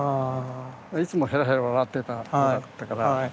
いつもへらへら笑ってた子だったから。